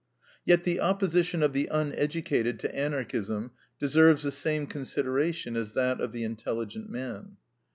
Yet the opposition of the uneducated to Anarchism deserves the same consideration as that of the intelligent man.